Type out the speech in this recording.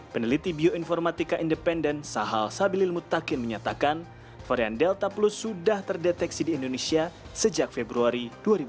peneliti bioinformatika independen sahal sabilil mutakin menyatakan varian delta plus sudah terdeteksi di indonesia sejak februari dua ribu dua puluh